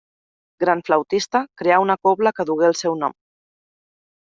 Gran flautista, creà una cobla que dugué el seu nom.